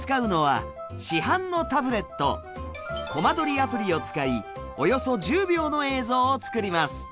アプリを使いおよそ１０秒の映像を作ります。